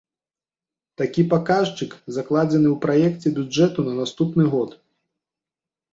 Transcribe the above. Такі паказчык закладзены ў праекце бюджэту на наступны год.